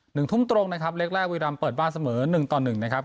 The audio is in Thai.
หนึ่งทุ่มตรงนะครับเล็กแรกบุรีรำเปิดบ้านเสมอหนึ่งต่อหนึ่งนะครับ